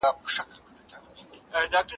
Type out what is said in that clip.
په ښوونځیو کې زده کړه د راتلونکي لپاره مهمه ده.